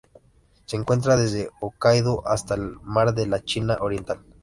Se encuentra desde Hokkaido hasta el Mar de la China Oriental.